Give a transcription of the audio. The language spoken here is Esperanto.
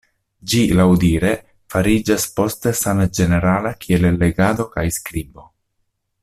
Ĝi laŭdire fariĝas poste same ĝenerala kiel legado kaj skribo.